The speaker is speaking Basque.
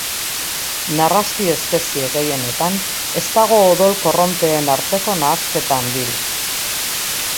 Narrasti-espezie gehienetan, ez dago odol-korronteen arteko nahasketa handirik.